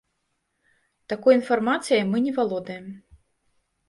Такой інфармацыяй мы не валодаем.